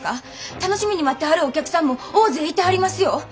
楽しみに待ってはるお客さんも大勢いてはりますよ。